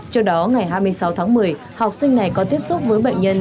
trước đó ngày hai mươi sáu tháng một mươi học sinh này có tiếp xúc với bệnh nhân